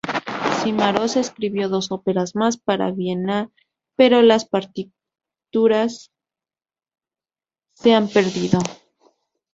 Cimarosa escribió dos óperas más para Viena, pero las partituras se han perdido.